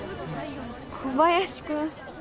小林君。